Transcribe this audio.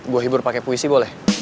gue hibur pakai puisi boleh